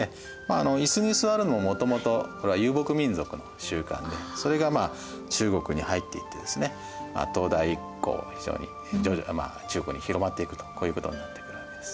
椅子に座るのはもともとこれは遊牧民族の習慣でそれが中国に入っていってですね唐代以降非常に徐々に中国に広まっていくとこういうことになってくるわけです。